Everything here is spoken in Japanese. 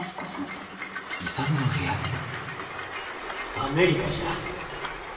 アメリカじゃ。